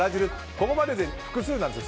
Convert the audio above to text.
ここまでで複数なんですよ